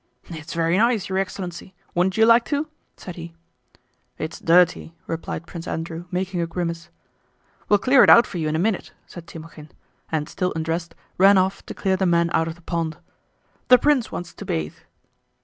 "It's very nice, your excellency! Wouldn't you like to?" said he. "It's dirty," replied Prince Andrew, making a grimace. "We'll clear it out for you in a minute," said Timókhin, and, still undressed, ran off to clear the men out of the pond. "The prince wants to bathe."